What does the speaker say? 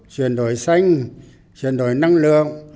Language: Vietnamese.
chuyển đổi xanh chuyển đổi năng lượng